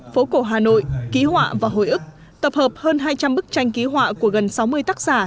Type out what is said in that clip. phố cổ hà nội ký họa và hồi ức tập hợp hơn hai trăm linh bức tranh ký họa của gần sáu mươi tác giả